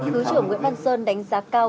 thứ trưởng nguyễn văn sơn đánh giá cao